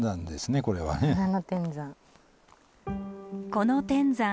この天山